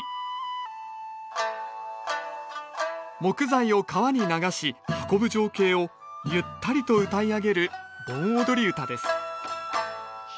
木材を川に流し運ぶ情景をゆったりとうたい上げる盆踊り唄です